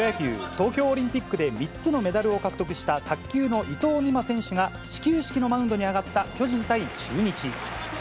東京オリンピックで３つのメダルを獲得した、卓球の伊藤美誠選手が、始球式のマウンドに上がった巨人対中日。